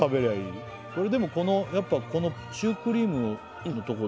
でもやっぱこのシュークリームのとこだよね